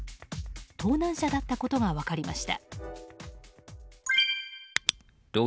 盗難車だったことが分かりました。